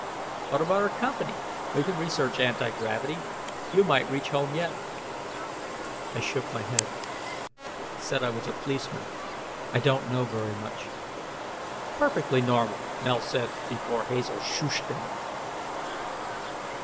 "What about our company? We can research anti gravity. You might reach home yet." I shook my head. "Said I was a policeman. I don't know very much " "Perfectly normal!" Mel said before Hazel shooshed him.